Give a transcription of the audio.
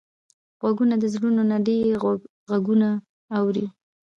غوږونه د زړونو نه ډېر غږونه اوري